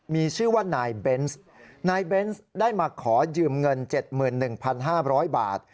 มีชื่อว่านายเบนส์นายเบนส์ได้มาขอยืมเงิน๗๑๕๐๐บาท